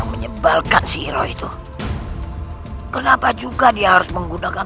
menyebalkan siroh itu kenapa juga dia harus menggunakan